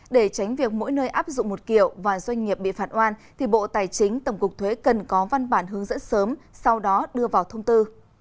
để tránh việc mỗi nơi áp dụng một kiểu và doanh nghiệp bị phạt oan thì bộ tài chính tổng cục thuế cần có văn bản hướng dẫn sớm sau đó đưa vào thông tư